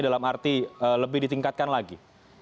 dalam arti lebih ditingkatkan lagi